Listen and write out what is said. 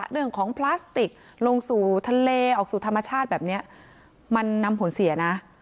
พลาสติกลงสู่ทะเลออกสู่ธรรมชาติแบบนี้มันนำผลเสียนะ